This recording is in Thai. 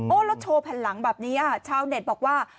แล้วโชว์แผ่นหลังแบบนี้ชาวเน็ตบอกว่า